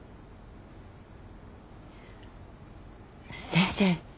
先生